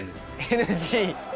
ＮＧ。